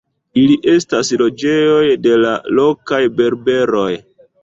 Ili estas loĝejoj de la lokaj berberoj.